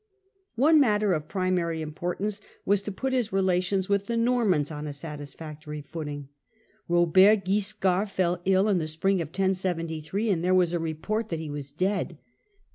One matter of primary importance was to put his relations with the Normans on a satisfactory footing. Hto visit to B,obert Wiscard fell ill in the spring of 1073, South Italy ^j^^ there was a report that he was dead.